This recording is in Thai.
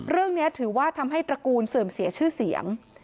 เรื่องนี้ถือว่าทำให้ตระกูลเสื่อมเสียชื่อเสียง